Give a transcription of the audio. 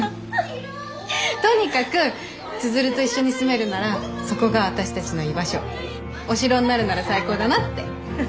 とにかく千鶴と一緒に住めるならそこが私たちの居場所お城になるなら最高だなって。